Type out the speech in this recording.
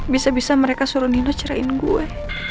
bisa bisa mereka suruh nino ceritain gue